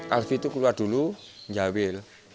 alfie itu keluar dulu menjawil